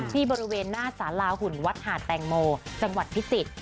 ที่บริเวณหน้าสาราหุ่นวัดหาดแตงโมจังหวัดพิจิตร